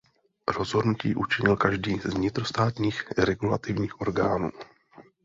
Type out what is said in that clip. Rozhodnutí učinil každý z vnitrostátních regulativních orgánů.